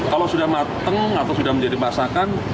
kalau sudah mateng atau sudah menjadi masakan